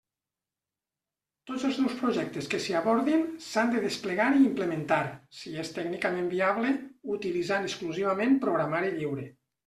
Tots els nous projectes que s'hi abordin s'han de desplegar i implementar, si és tècnicament viable, utilitzant exclusivament programari lliure.